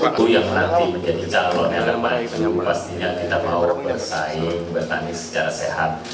itu yang nanti menjadi calon yang terbaik dengan pastinya kita mau bersaing bertani secara sehat